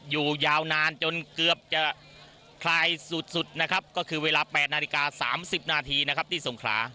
ยาวนานจนเกือบจะคลายสุดนะครับก็คือเวลา๘นาฬิกา๓๐นาทีนะครับที่สงขลา